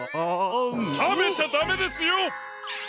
たべちゃダメですよ！